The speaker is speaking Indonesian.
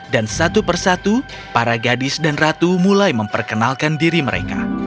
dan satu persatu para gadis dan ratu mulai memperkenalkan diri mereka